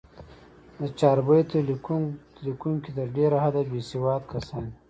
د چاربیتو لیکوونکي تر ډېره حده، بېسواد کسان دي.